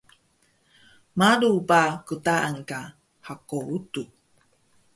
malu ba qtaan ka hako utux